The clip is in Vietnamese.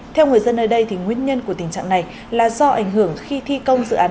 theo người dân nơi đây nguyên nhân của tình trạng này là do ảnh hưởng khi thi công dự án